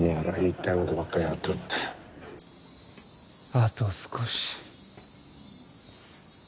あと少し